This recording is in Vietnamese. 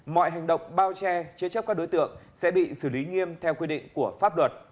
mọi hành động bao che chế chấp các đối tượng sẽ bị xử lý nghiêm theo quy định quốc gia